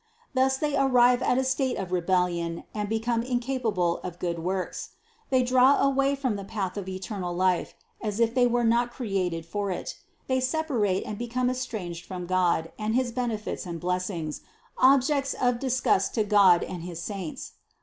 Thus they arrive at a state of rebellion and become incapable of good works. They draw away from the path of eternal life, as if they were not created for it, they separate and become estranged from God and his benefits and blessings, objects of disgust to God and his saints.